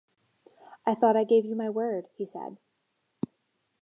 "I thought I gave you my word," he said.